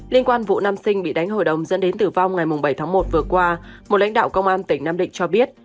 liên quan vụ nam sinh bị đánh hội đồng dẫn đến tử vong ngày bảy tháng một vừa qua một lãnh đạo công an tỉnh nam định cho biết